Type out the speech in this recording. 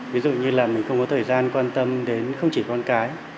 ví dụ như là mình không có thời gian quan tâm đến không chỉ con cái